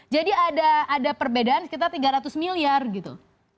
jadi ada perbedaan sekitar tiga ratus miliar gitu